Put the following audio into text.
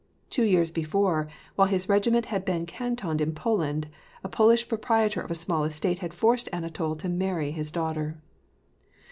Two years before, while his regiment had been cantoned in Poland, a Polish proprietor of a small estate had forced Anatol to marry his daughter.